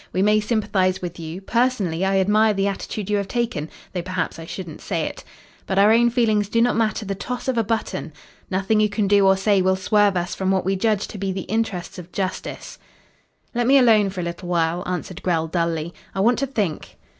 We may sympathise with you personally, I admire the attitude you have taken, though perhaps I shouldn't say it but our own feelings do not matter the toss of a button. Nothing you can do or say will swerve us from what we judge to be the interests of justice." "Let me alone for a little while," answered Grell dully; "I want to think."